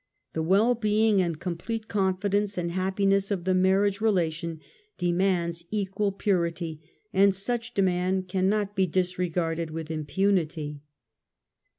The well being and complete confidence and happiness of the marriage relation demands equal purity, and such demand cannot be disregarded with impunity.